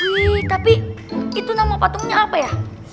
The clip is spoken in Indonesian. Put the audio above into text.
wiwi tapi itu nama patungnya apa ya